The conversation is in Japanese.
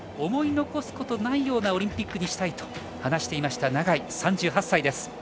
思い残すことないようなオリンピックにしたいと話していました永井、３８歳です。